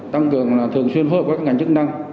tăng cường thường xuyên phối hợp với các ngành chức năng